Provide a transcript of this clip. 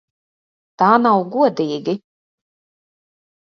Tā nav godīgi!